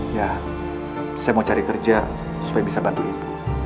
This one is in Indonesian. ya saya mau cari kerja supaya bisa bantu itu